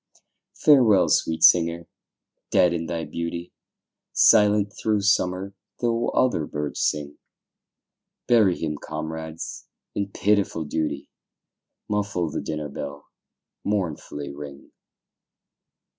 Farewell, sweet singer! dead in thy beauty, Silent through summer, though other birds sing; Bury him, comrades, in pitiful duty, Muffle the dinner bell, mournfully ring.